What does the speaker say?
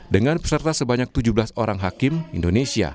dengan peserta sebanyak tujuh belas orang hakim indonesia